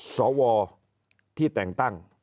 สวที่แต่งตั้ง